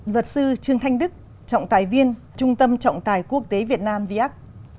luật sư trương thanh đức trọng tài viên trung tâm trọng tài quốc tế việt nam vắc